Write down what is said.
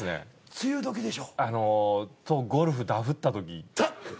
梅雨どきでしょ？とゴルフダフった時。